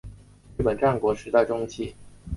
日本战国时代中期的阵旗多为方形旗。